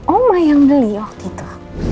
oma yang beli waktu itu